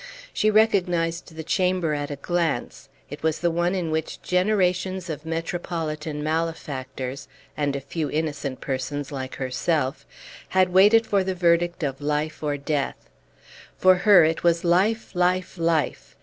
She recognized the chamber at a glance; it was the one in which generations of metropolitan malefactors, and a few innocent persons like herself, had waited for the verdict of life or death. For her it was life, life, life!